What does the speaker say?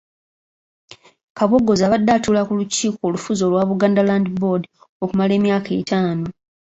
Kabogoza abadde atuula ku lukiiko olufuzi olwa Buganda Land Board okumala emyaka etaano.